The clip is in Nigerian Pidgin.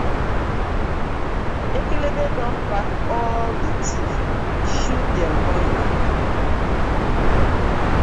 Ekekebe don pack all the thief shoot dem one hand.